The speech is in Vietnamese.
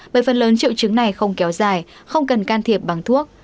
bởi phần lớn triệu chứng này không kéo dài không cần can thiệp bằng thuốc